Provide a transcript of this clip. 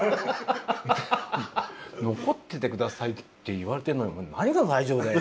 「残ってて下さいって言われてるのに何が大丈夫だよ！」